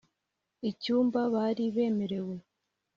icyumba bari bemerewe.